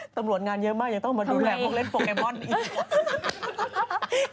ตำรวจงานเยอะมากยังต้องมาดูแลพวกเล่นโปเกมอนอีก